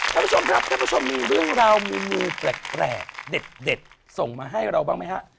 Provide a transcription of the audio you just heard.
ท่านผู้ชมครับท่านผู้ชมมีเรื่องราวเมนูแปลกเด็ดส่งมาให้เราบ้างไหมฮะ